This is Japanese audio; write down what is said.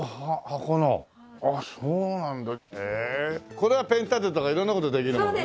これはペン立てとか色んな事できるものだね。